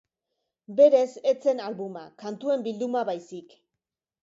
Berez ez zen albuma, kantuen bilduma baizik.